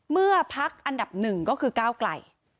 เมื่อภักดิ์อันดับหนึ่งก็คือก้าวไก่